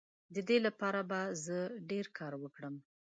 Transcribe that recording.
د دې لپاره به زه ډیر کار وکړم.